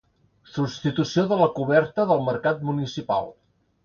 Substitució de la coberta del mercat municipal.